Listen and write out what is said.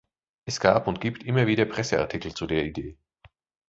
Es gab und gibt immer wieder Presseartikel zu der Idee.